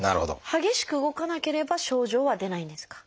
激しく動かなければ症状は出ないんですか？